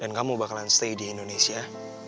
dan kamu bakalan stay di indonesia